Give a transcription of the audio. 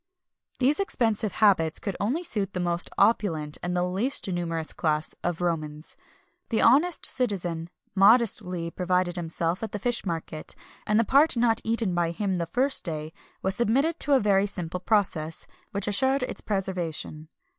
[XXI 283] These expensive habits could only suit the most opulent and least numerous class of Romans. The honest citizen modestly provided himself at the fish market, and the part not eaten by him the first day was submitted to a very simple process, which assured its preservation.